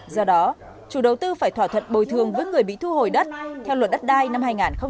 do đó chủ đầu tư phải thỏa thuật bồi thương với người bị thu hồi đất theo luật đất đai năm hai nghìn một mươi ba